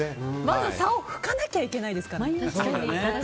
まず、さおを拭かなきゃいけないですからね。